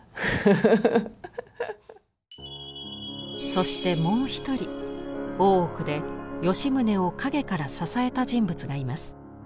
そしてもう一人大奥で吉宗を陰から支えた人物がいます。